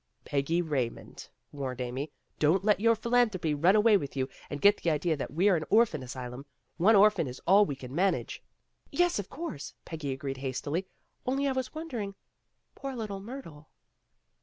"Peggy Eaymond," warned Amy. "Don't let your philanthropy run away with you, and get the idea that we 're an orphan asylum. One orphan is all we can manage. '' "Yes, of course," Peggy agreed hastily. "Only I was wondering poor little Myrtle!"